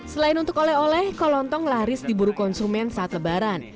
selain untuk oleh oleh kolontong laris diburu konsumen saat lebaran